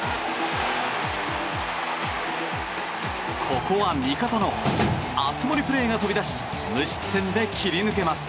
ここは味方の熱盛プレーが飛び出し無失点で切り抜けます。